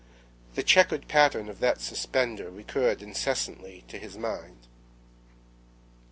The checkered pattern of that suspender recurred incessantly to his mind.